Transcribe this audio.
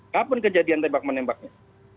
kapan kejadian tebak menembaknya